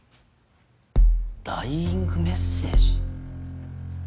ダイイングメッセージ。